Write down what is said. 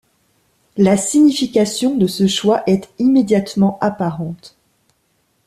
La signification de ce choix est immédiatement apparente.